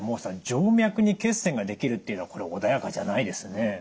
静脈に血栓が出来るっていうのはこれ穏やかじゃないですね。